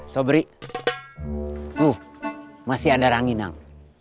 sobri tuh masih ada ranginang